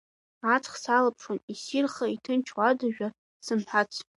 Аҵх салаԥшуан иссирха, иҭынчу ада жәа зымҳәац.